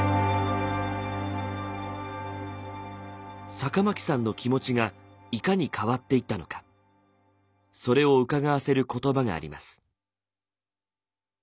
酒巻さんの気持ちがいかに変わっていったのかそれをうかがわせる言葉があります。